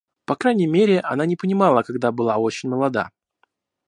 По крайней мере, она не понимала, когда была очень молода.